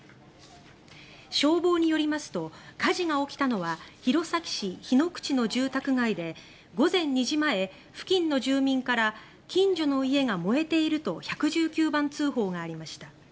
消防によりますと火事が起きたのは弘前市樋の口の住宅街で午前２時前付近の住民から近所の家が燃えていると１１９番通報がありました。